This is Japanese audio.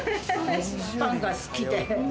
パンが好きで。